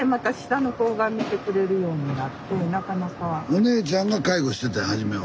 お姉ちゃんが介護してたんや初めは。